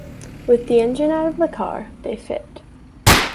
With the engine out of the car, they fit.